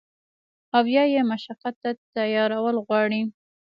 او يا ئې مشقت ته تيارول غواړي